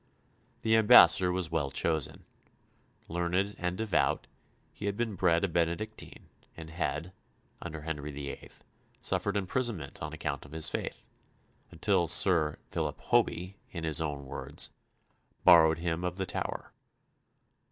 The ambassador was well chosen. Learned and devout, he had been bred a Benedictine, and had, under Henry VIII., suffered imprisonment on account of his faith; until Sir Philip Hoby, in his own words, "borrowed him of the Tower."